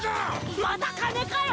また金かよ！